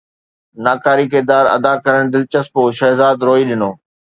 ناڪاري ڪردار ادا ڪرڻ دلچسپ هو، شهزاد روئي ڏنو